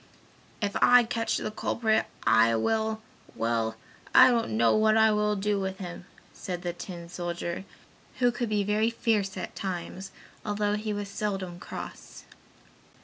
"If I catch the culprit, I will well, I don't know what I will do with him!" said the tin soldier, who could be very fierce at times, although he was seldom cross.